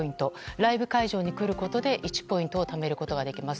ライブ会場に来ることで１ポイントをためることができます。